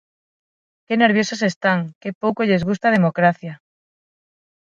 ¡Que nerviosos están!, ¡que pouco lles gusta a democracia!